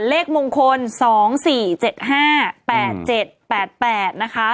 เลขมงคล๒๔๗๕๘๗๘๘นะคะ